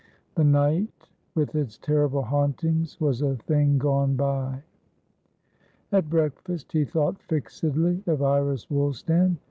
The night with its terrible hauntings was a thing gone by. At breakfast he thought fixedly of Iris Woolstan.